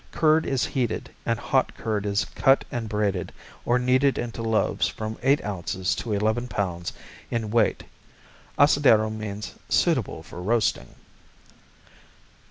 Curd is heated, and hot curd is cut and braided or kneaded into loaves from eight ounces to eleven pounds in weight Asadero means "suitable for roasting."